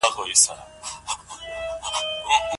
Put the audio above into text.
په نورو مبارکو اياتونو کي هم الله تعالی دغه موضوع ذکر کړې ده.